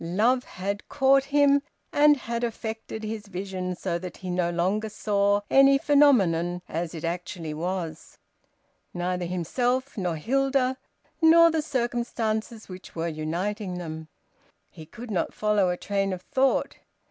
Love had caught him, and had affected his vision so that he no longer saw any phenomenon as it actually was; neither himself, nor Hilda, nor the circumstances which were uniting them. He could not follow a train of thought.